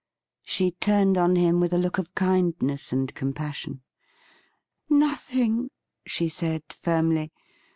She turned on him with a look of kindness and com passion. ' Nothing !' she said firmly.